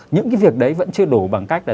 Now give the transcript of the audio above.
những cái việc đấy vẫn chưa đủ bằng cách là